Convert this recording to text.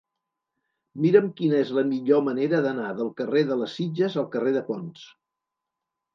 Mira'm quina és la millor manera d'anar del carrer de les Sitges al carrer de Ponts.